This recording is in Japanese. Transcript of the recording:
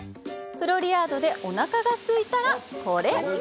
フロリアードでおなかがすいたらこれ！